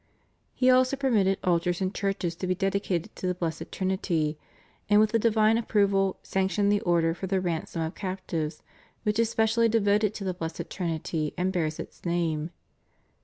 He also permitted altars and churches to be dedicated to the Blessed Trinity, and with the divine approval, sanctioned the Order for the Ransom of Captives, which is specially devoted to the Blessed Trinity and bears its name.